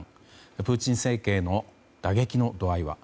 プーチン政権への打撃の度合いは？